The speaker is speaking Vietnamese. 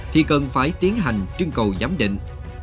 thì cần phải tiến hành trưng cầu giám định